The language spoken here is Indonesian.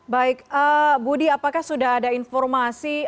baik budi apakah sudah ada informasi